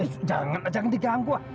eh jangan jangan diganggu wah